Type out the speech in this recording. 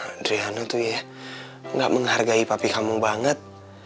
adriana tuh ya gak menghargai papi kamu banget